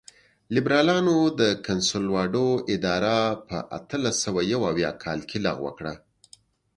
لېبرالانو د کنسولاډو اداره په اتلس سوه یو اویا کال کې لغوه کړه.